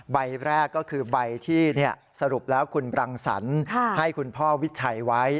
ใบแรกก็คือใบที่สรุปแล้วคุณบรังสรรค์ให้คุณพ่อวิชัยไว้